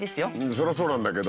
そりゃそうなんだけど。